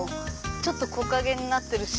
ちょっと木陰になってるし。